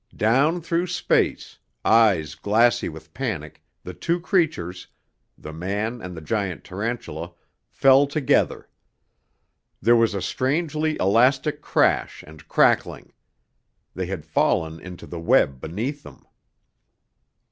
Down through space, eyes glassy with panic, the two creatures the man and the giant tarantula fell together. There was a strangely elastic crash and crackling. They had fallen into the web beneath them.